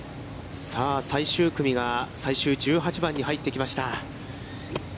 最終組が最終１８番に入ってきました。